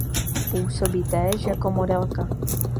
Působí též jako modelka.